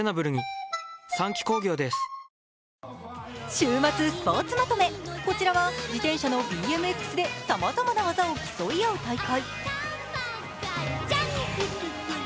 週末スポーツまとめ、こちらは自転車のＢＭＸでさまざまな技を競い合う大会。